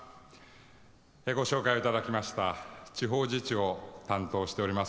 ご紹介いただきました地方自治を担当しております